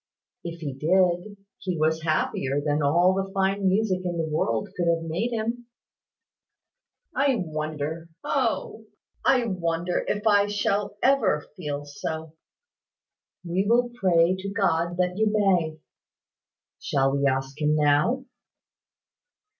"If he did, he was happier than all the fine music in the world could have made him." "I wonder O! I wonder if I ever shall feel so." "We will pray to God that you may. Shall we ask Him now?"